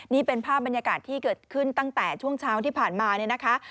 นี่เป็นภาพบรรยากาศที่เกิดขึ้นตั้งแต่ช่วงเช้าที่ผ่านมาเนี่ยนะคะ